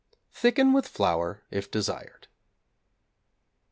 Thicken with flour if desired.